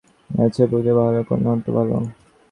এর চেয়ে রাজপুতদের কন্যাহত্যা ভালো।